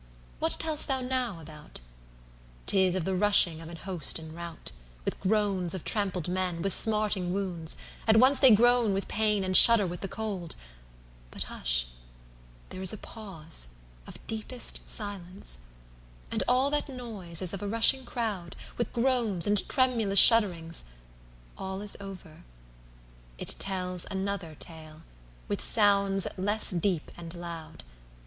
What tell'st thou now about?'Tis of the rushing of an host in rout, With groans of trampled men, with smarting wounds—At once they groan with pain and shudder with the cold! But hush! there is a pause of deepest silence! And all that noise, as of a rushing crowd, With groans, and tremulous shudderings—all is over—It tells another tale, with sounds less deep and loud!